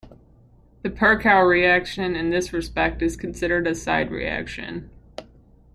The Perkow reaction, in this respect is considered a side-reaction.